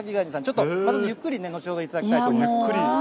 ちょっとまたね、ゆっくり後ほど頂きたいと思います。